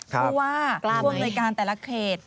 เพราะว่าภูมิในการแต่ละเกตุ